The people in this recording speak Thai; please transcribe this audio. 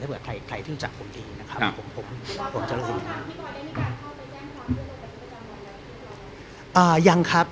ถ้าเผื่อใครรู้จักผมดีนะครับผมจะรู้สึกนะครับ